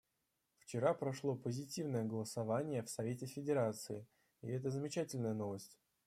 Вчера прошло позитивное голосование в Совете Федерации, и это замечательная новость.